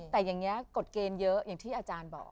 แต่อย่างนี้กฎเกณฑ์เยอะอย่างที่อาจารย์บอก